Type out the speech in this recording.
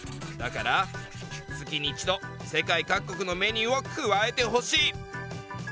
「だから月に一度世界各国のメニューを加えて欲しい」。